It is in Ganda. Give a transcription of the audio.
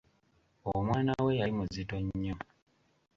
Omwana we yali muzito nnyo.